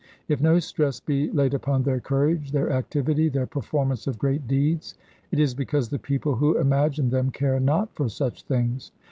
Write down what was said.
If no stress be laid upon their courage, their activity, their performance of great deeds, it is because the people who imagine them care not for such things.